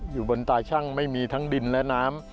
อยู่บนตาชั่งไม่มีทั้งดินและน้ำ